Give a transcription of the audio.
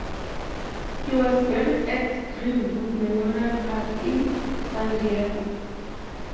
He was buried at Greenwood Memorial Park in San Diego.